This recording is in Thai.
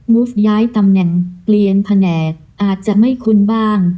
ูฟย้ายตำแหน่งเปลี่ยนแผนกอาจจะไม่คุ้นบ้าง